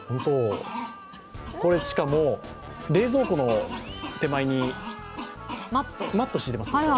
これ、しかも、冷蔵庫の手前にマットを敷いてますね。